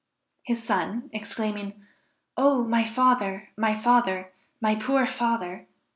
His son exclaiming, "Oh my father, my father! my poor father!"